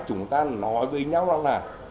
chúng ta nói với nhau rằng là